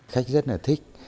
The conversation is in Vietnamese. khách rất là thích